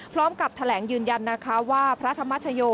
พร้อมกับแถลงยืนยันนะคะว่าพระธรรมชโย